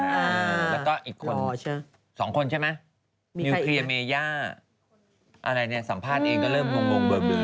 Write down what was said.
แล้วก็อีกคนสองคนใช่ไหมนิวเคลียร์เมย่าอะไรเนี่ยสัมภาษณ์เองก็เริ่มงงเบิก